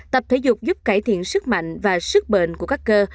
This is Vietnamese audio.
tập thể dục giúp cải thiện sức mạnh và sức bệnh của các cơ